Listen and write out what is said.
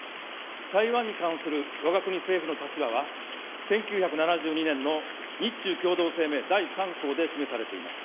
台湾に関するわが国政府の立場は、１９７２年の日中共同声明第３項に示されています。